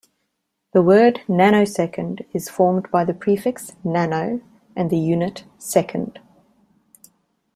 The word nanosecond is formed by the prefix "nano" and the unit "second".